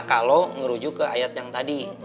kalau ngerujuk ke ayat yang tadi